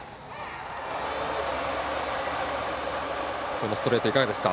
このストレート、いかがですか？